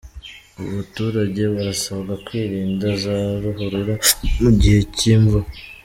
Abaturage barasabwa kwirinda za ruhurura mu gihe cy’imvura